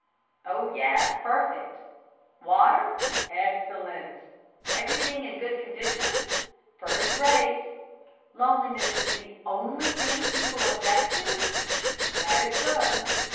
"Oh, yes! Perfect." "Water?" "Excellent." "Everything in good condition?" "First rate." "Loneliness the only thing people object to?" "That is so."